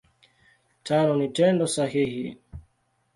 Tano ni Tendo sahihi.